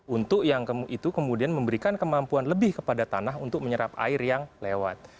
untuk yang itu kemudian memberikan kemampuan lebih kepada tanah untuk menyerap air yang lewat